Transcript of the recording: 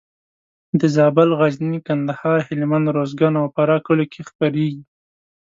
د زابل، غزني، کندهار، هلمند، روزګان او فراه کلیو کې خپرېږي.